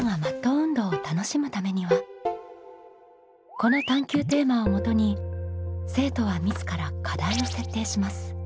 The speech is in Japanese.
この探究テーマをもとに生徒は自ら課題を設定します。